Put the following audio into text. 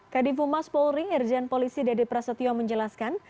kedifu mas polri irjen polisi dede prasetyo menjelaskan